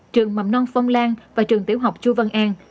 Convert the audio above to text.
trường mầm non phong lan và trường tiểu học chu văn an